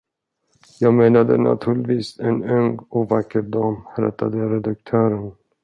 Jag menade naturligtvis en ung och vacker dam, rättade redaktören.